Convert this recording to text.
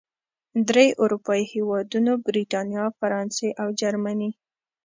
درې اروپايي هېوادونو، بریتانیا، فرانسې او جرمني